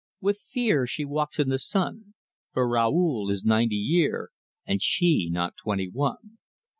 With fear she walks in the sun, For Raoul is ninety year, And she not twenty one.